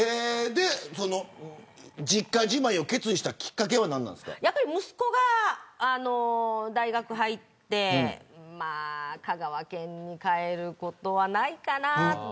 その実家じまいを決意したきっかけは息子が大学に入って香川県に帰ることはないかな。